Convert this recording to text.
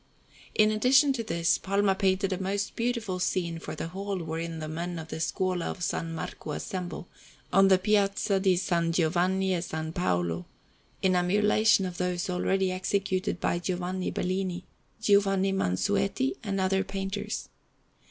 In addition to this, Palma painted a most beautiful scene for the hall wherein the men of the Scuola of S. Marco assemble, on the Piazza di SS. Giovanni e Paolo, in emulation of those already executed by Giovanni Bellini, Giovanni Mansueti, and other painters.